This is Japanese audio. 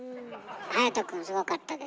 隼くんすごかったです。